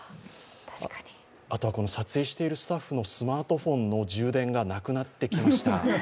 あとは撮影しているスタッフのスマートフォンの充電がなくなってきました。